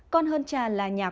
con hơn cha là nhà có phụ